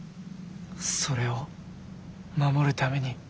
それを守るために？